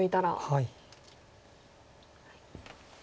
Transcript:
はい。